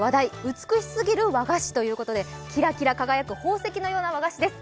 美しすぎる和菓子ということでキラキラ輝く宝石のような和菓子です。